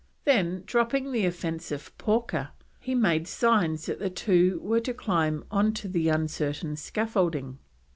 Then, dropping the offensive porker, he made signs that the two were to climb on to the uncertain scaffolding.